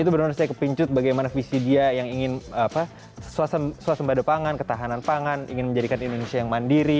berita terkini dari kpum